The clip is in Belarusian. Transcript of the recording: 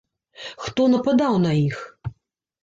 Хто нападаў на іх?